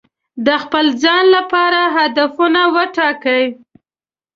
د خپل ځان لپاره هدفونه وټاکئ.